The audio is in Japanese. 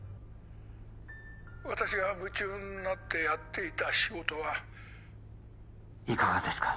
私が夢中になってやっていた仕事はいかがですか？